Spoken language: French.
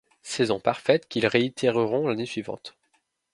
Saison parfaite, qu'ils réitéreront l'année suivante.